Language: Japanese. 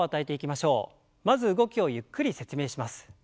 まず動きをゆっくり説明します。